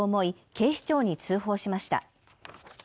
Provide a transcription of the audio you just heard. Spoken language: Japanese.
警視庁に通報しました。